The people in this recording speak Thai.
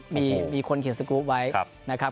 มีคนเขียนสกรูปไว้นะครับ